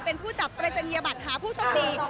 เป็นผู้จับปรัชญีาบัติหาผู้ชมภีร์